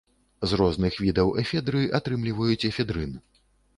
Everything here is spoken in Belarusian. З розных відаў эфедры атрымліваюць эфедрын.